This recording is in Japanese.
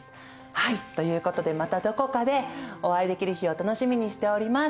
はいということでまたどこかでお会いできる日を楽しみにしております。